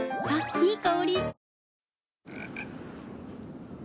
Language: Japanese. いい香り。